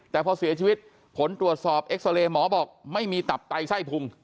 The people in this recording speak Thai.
แต่พอเสียชีวิตผลตรวจสอบเอ็กซาเรย์หมอบอกไม่มีตับไตไส้พุง